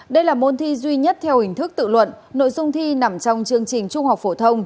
đây là môn thi duy nhất theo hình thức tự luận nội dung thi nằm trong chương trình trung học phổ thông